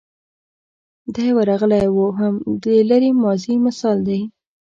دی ورغلی و هم د لرې ماضي مثال دی.